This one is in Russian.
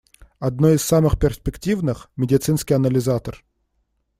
Одно из самых перспективных — медицинский анализатор.